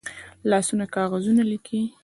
لاسونه کاغذونه لیکي